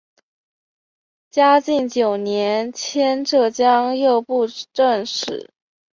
嘉靖九年迁浙江右布政使。